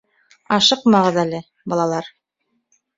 Ашыҡмағыҙ әле, балалар.